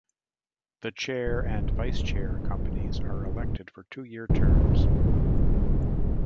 The Chair and Vice-Chair Companies are elected for two-year terms.